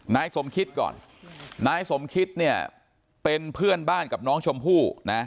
นายสมคิดก่อนนายสมคิตเนี่ยเป็นเพื่อนบ้านกับน้องชมพู่นะ